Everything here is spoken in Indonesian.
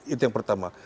itu yang pertama